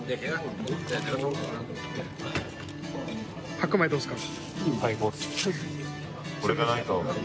白米どうっすか？